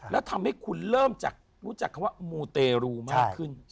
แล้วทำให้คุณเริ่มจากรู้จักคำว่ามูเตรูมากขึ้น